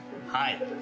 はい。